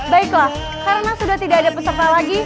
baiklah karena sudah tidak ada peserta lagi